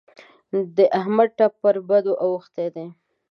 د احمد ټپ پر بدو اوښتی دی.